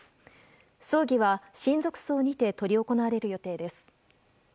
葬儀は親族葬にて執り行われる予定です。